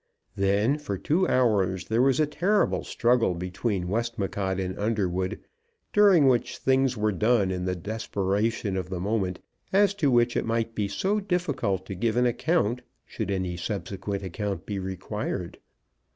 Then for two hours there was a terrible struggle between Westmacott and Underwood, during which things were done in the desperation of the moment, as to which it might be so difficult to give an account, should any subsequent account be required.